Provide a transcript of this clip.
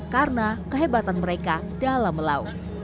karena kehebatan mereka dalam lau